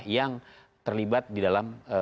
yang terlibat di dalam